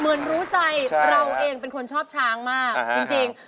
เหมือนรู้ใจเราเองเป็นคนชอบช้างมากจริง